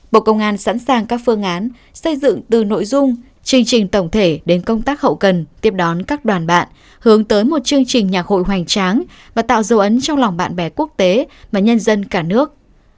bộ công an sẵn sàng các phương án xây dựng từ nội dung chương trình tổng thể đến công tác hậu cần tiếp đón các đoàn bạn hướng tới một chương trình nhạc hội hoành tráng và tạo dấu ấn trong lòng bạn bè quốc tế và nhân dân cả nước